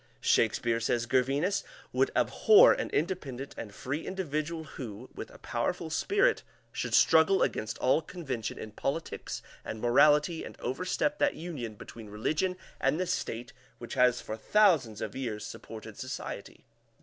"Shakespeare," says Gervinus, "would abhor an independent and free individual who, with a powerful spirit, should struggle against all convention in politics and morality and overstep that union between religion and the State which has for thousands of years supported society.